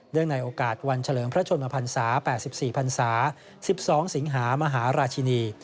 ในโอกาสวันเฉลิมพระชนมพันศา๘๔พันศา๑๒สิงหามหาราชินี